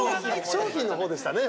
◆商品のほうでしたね。